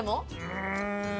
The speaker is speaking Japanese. うん。